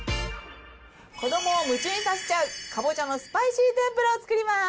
子どもを夢中にさせちゃうかぼちゃのスパイシー天ぷらを作ります。